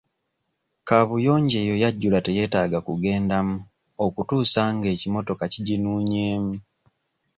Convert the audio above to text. Kaabuyonjo eyo yajjula teyeetaaga kugendamu okutuusa nga ekimotoka kiginuunyeemu.